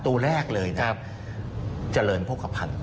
ตัวแรกเลยนะครับเจริญโภคภัณฑ์